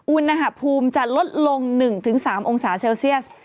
อุณหภูมิจะลดลง๑๓องศาเซลเซียส